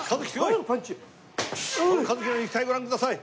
この一基の肉体ご覧ください。